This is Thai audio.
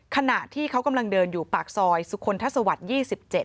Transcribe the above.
ขณะที่เขากำลังเดินอยู่ปากซอยสุคลทัศวรรค์๒๗